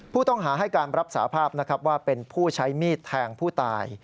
ผู้ต้องหาให้การรับสาภาพนะครับว่าเป็นผู้ใช้มีดแทงผู้ตาย